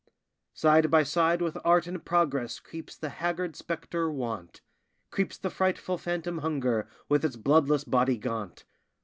Side by side with art and progress creeps the haggard spectre, Want Creeps the frightful phantom, Hunger, with its bloodless body gaunt.